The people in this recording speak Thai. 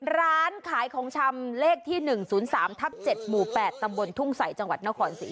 ร้านขายของชำเลขที่๑๐๓ทับ๗หมู่๘ตำบลทุ่งใสจังหวัดนครศรี